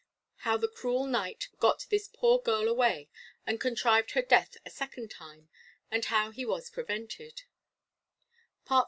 How the cruel Knight got this poor girl away, and contrived her death a second time, and how he was prevented.